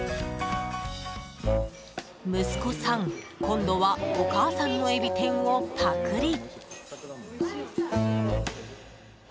息子さん、今度はお母さんのえび天をぱくり。